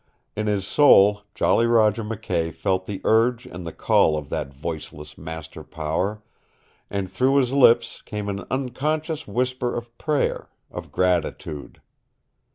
In his soul Jolly Roger McKay felt the urge and the call of that voiceless Master Power, and through his lips came an unconscious whisper of prayer of gratitude.